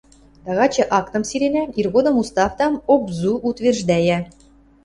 Тагачы актым сиренӓ, иргодым уставдам обзу утверждӓйӓ.